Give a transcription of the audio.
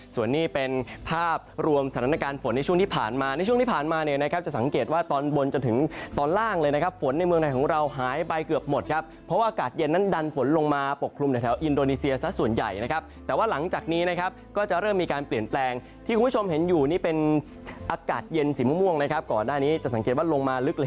ส่วนนี้เป็นภาพรวมสถานการณ์ฝนในช่วงที่ผ่านมาในช่วงที่ผ่านมาเนี่ยนะครับจะสังเกตว่าตอนบนจนถึงตอนล่างเลยนะครับฝนในเมืองไทยของเราหายไปเกือบหมดครับเพราะว่าอากาศเย็นนั้นดันฝนลงมาปกลุ่มแถวอินโดนีเซียซะส่วนใหญ่นะครับแต่ว่าหลังจากนี้นะครับก็จะเริ่มมีการเปลี่ยนแปลงที่คุณผู้ชม